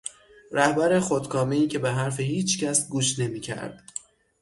رهبر خودکامهای که به حرف هیچکس گوش نمیکرد